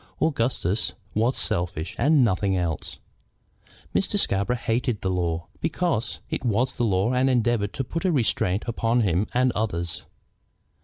Augustus was selfish and nothing else. Mr. Scarborough hated the law, because it was the law and endeavored to put a restraint upon him and others.